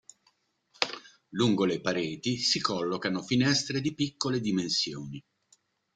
Lungo le pareti si collocano finestre di piccole dimensioni.